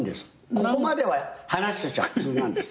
ここまでは話としては普通なんです。